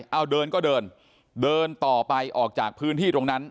เอาเดินก็เดินเดินต่อไปออกจากพื้นที่ตรงนั้น